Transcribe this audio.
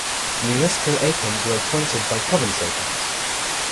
Municipal Akims are appointed by Province Akims.